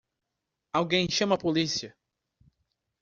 Alguém chame a polícia!